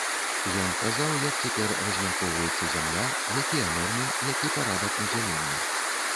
Ён казаў, як цяпер размяркоўваецца зямля, якія нормы, які парадак надзялення.